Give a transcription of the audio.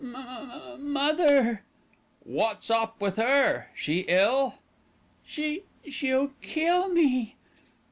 "M m m m mother." "Wot's up with 'er? She ill?" "She she'll kill me."